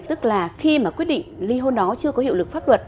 tức là khi mà quyết định ly hôn đó chưa có hiệu lực pháp luật